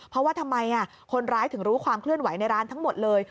เพราะว่าทำไมคนร้ายถึงรู้ความเคลื่อนไหวในร้านทั้งหมดเลย